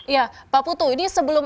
ya pak putu ini sebelum